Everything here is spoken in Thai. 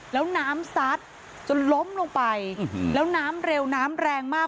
แล้วน้ำซัดจนล้มลงไปแล้วน้ำเร็วน้ำแรงมาก